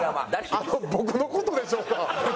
あの僕の事でしょうか？